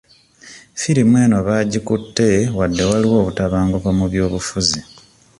Firimu eno baagikutte wadde waliwo obutabanguko mu byobufuzi.